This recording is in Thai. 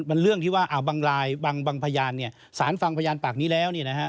มันเรื่องที่ว่าบางรายบางพยานสารฟังพยานปากนี้แล้ว